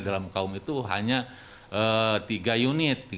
dalam kaum itu hanya tiga unit